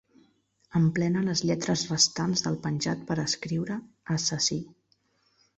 Emplena les lletres restants del penjat per escriure "assassí".